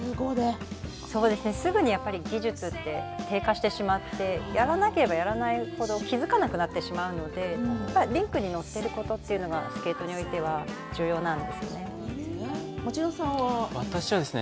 すぐに技術って低下してしまってやらなければやらないほど気付かなくなってしまうのでリンクに乗っているというのがスケートにおいては重要なんですね。